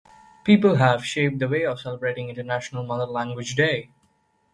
People have shaped the way of celebrating International Mother Language Day.